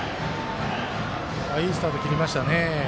いいスタート切りましたね。